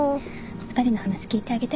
２人の話聞いてあげて。